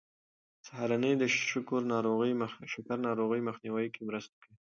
سهارنۍ د شکر ناروغۍ مخنیوی کې مرسته کوي.